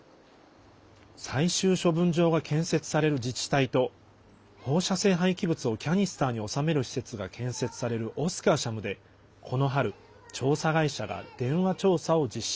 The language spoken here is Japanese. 最終処分場が建設される自治体と放射性廃棄物をキャニスターに収める施設が建設されるオスカーシャムでこの春、調査会社が電話調査を実施。